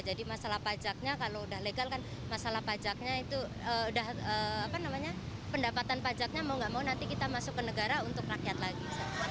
jadi masalah pajaknya kalau udah legal kan masalah pajaknya itu udah pendapatan pajaknya mau gak mau nanti kita masuk ke negara untuk rakyat lagi